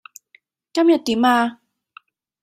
今日點呀？